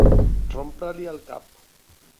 Rompre-li el cap.